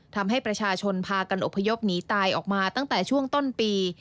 ทำให้ประชาชนพากันอพยพหนีตายออกมาตั้งแต่ช่วงต้นปี